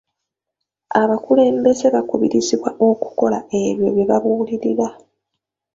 Abakulembeze bakubirizibwa okukola ebyo bye babuulirira.